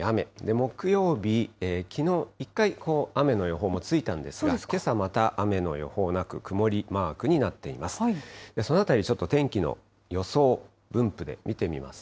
木曜日、きのう一回、雨の予報もついたんですが、けさまた雨の予報なく、曇りマークになっています。